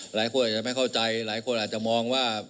หลายคนอาจจะไม่เข้าใจหลายคนอาจจะมองว่า